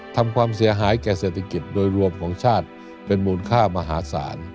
ทำความเสียหายแก่เศรษฐกิจโดยรวมของชาติเป็นมูลค่ามหาศาล